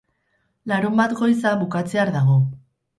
Larunbat goiza bukatzear dago.